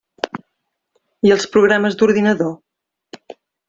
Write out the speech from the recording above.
I els programes d'ordinador?